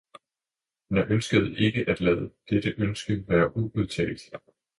Men jeg ønskede ikke at lade dette ønske være uudtalt.